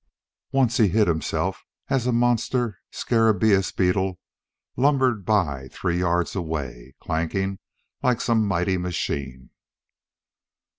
Once he hid himself as a monster scarabeus beetle lumbered by three yards away, clanking like some mighty machine.